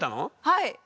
はい。